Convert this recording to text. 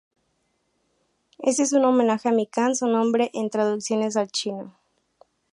Este es un homenaje a Mikan su nombre en traducciones al chino.